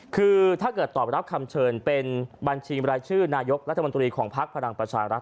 คือถ้าเกิดตอบรับคำเชิญเป็นบัญชีบรายชื่อนายกรัฐมนตรีของพักพลังประชารัฐ